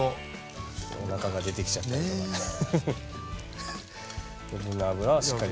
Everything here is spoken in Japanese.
おなかが出てきちゃったりとか。